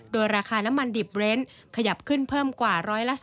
โดยราคาน้ำมันดิบเรนด์ขยับขึ้นเพิ่มกว่า๑๓